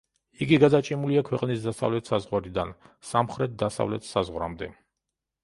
იგი გადაჭიმულია ქვეყნის დასავლეთ საზღვრიდან, სამხრეთ-დასავლეთ საზღვრამდე.